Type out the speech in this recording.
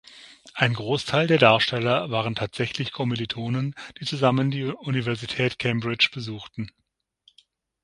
Ein Großteil der Darsteller waren tatsächlich Kommilitonen, die zusammen die Universität Cambridge besuchten.